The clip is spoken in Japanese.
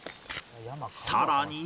さらに